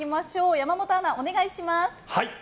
山本アナ、お願いします。